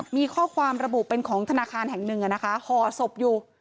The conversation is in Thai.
มีข้อความระบุเป็นของธนาคารแห่งหนึ่งห่อศพอยู่